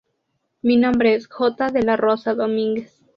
Mi nombre es J. de la Rosa Domínguez.